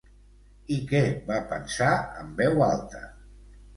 I què va pensar en veu alta?